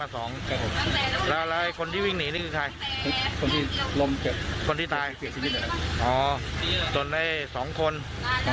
สองคนมาไปดังก็จะวิ่งเลยไปวิ่งเลยออกขนม